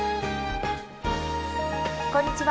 こんにちは。